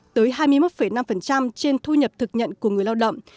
tới hai mươi một năm trên thu nhập thực nhận của người lao động